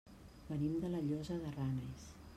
Venim de la Llosa de Ranes.